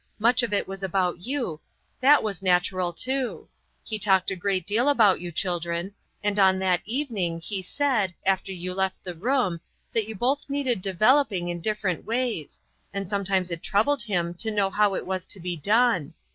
Much of it was about you ; that was natural, too ; he talked a great deal about you, children ; and on that evening, he said, after you left the room, that you both needed developing in different ways, and sometimes it troubled him to know how it was to be done.